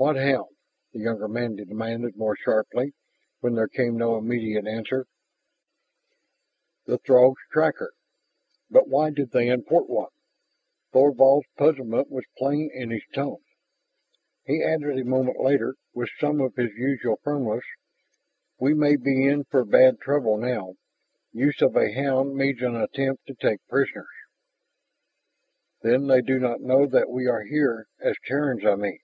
"What hound?" the younger man demanded more sharply when there came no immediate answer. "The Throgs' tracker. But why did they import one?" Thorvald's puzzlement was plain in his tone. He added a moment later, with some of his usual firmness, "We may be in for bad trouble now. Use of a hound means an attempt to take prisoners " "Then they do not know that we are here, as Terrans, I mean?"